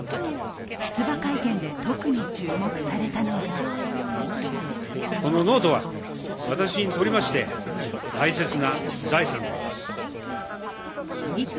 出馬会見で特に注目されたのがこのノートは、私にとりまして大切な財産であります。